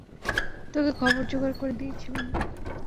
তোকে খবর জোগড় করে দিয়েছিলাম।